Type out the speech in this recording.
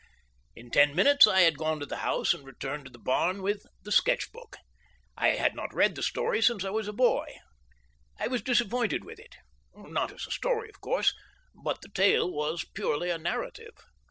In ten minutes I had gone to the house and returned to the barn with "The Sketch Book." I had not read the story since I was a boy. I was disappointed with it; not as a story, of course, but the tale was purely a narrative.